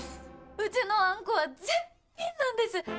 うちのあんこは絶品なんです。